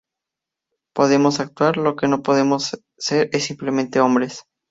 Podemos actuar, lo que no podemos ser es simplemente hombres.